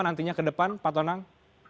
nantinya ke depan pak tonang